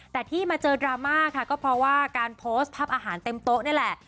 แต่ที่มาเจอดราม่าค่ะก็เพราะว่าการโพสต์ภาพอาหารเต็มโต๊ะนี่แหละ